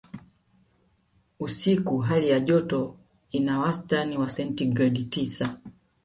Usiku hali joto ina wastani wa sentigredi tisa